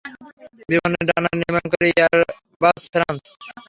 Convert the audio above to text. বিমানের ডানার নির্মান করে এয়ারবাস ফ্রান্স।